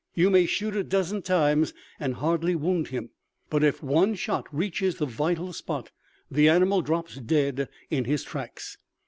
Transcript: You may shoot a dozen times and hardly wound him, but if one shot reaches the vital spot, the animal drops dead in his tracks.